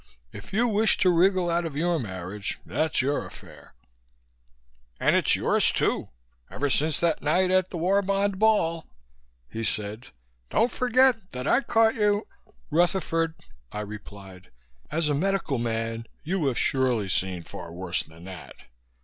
If you wish to wriggle out of your marriage, that's your affair." "And it's yours, too, ever since that night at the War Bond Ball," he said. "Don't forget that I caught you " "Rutherford," I replied. "As a medical man you have surely seen far worse than that.